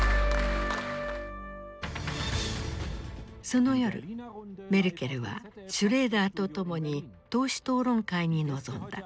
その夜メルケルはシュレーダーと共に党首討論会に臨んだ。